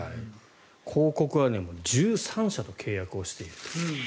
広告は１３社と契約をしていると。